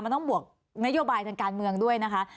มันต้องบวกนโยบายทางการเมืองด้วยนะคะ